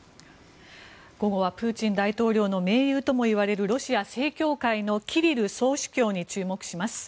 午後はプーチン大統領の盟友ともいわれるロシア正教会のキリル総主教に注目します。